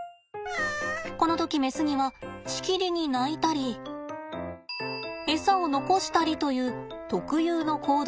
この時メスにはしきりに鳴いたりエサを残したりという特有の行動が見られます。